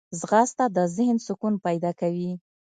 ځغاسته د ذهن سکون پیدا کوي